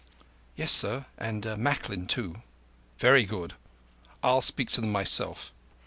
"Yes, sir, and Macklin too." "Very good. I'll speak to them myself.